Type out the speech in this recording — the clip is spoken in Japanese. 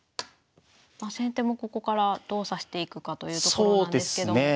先手もここからどう指していくかというところなんですけど。